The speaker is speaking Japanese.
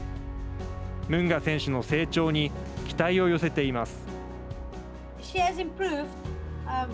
ムンガ選手の成長に期待を寄せています。